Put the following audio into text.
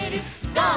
ゴー！」